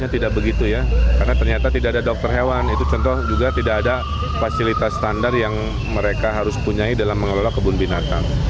tidak ada dokter hewan itu contoh juga tidak ada fasilitas standar yang mereka harus punya dalam mengelola kebun binatang